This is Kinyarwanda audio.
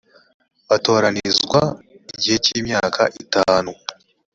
batoranirizwa igihe cy imyaka itanu